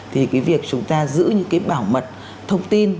thì cái việc chúng ta giữ những cái bảo mật thông tin